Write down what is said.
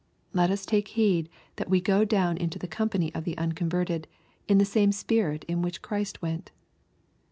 Let us take heed that we go down into the company of the unconverted in the same spirit in which Christ went.